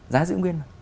giá giữ nguyên